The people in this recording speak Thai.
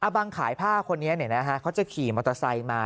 อบังขายผ้าคนนี้เนี่ยนะฮะเขาจะขี่มอเตอร์ไซส์มา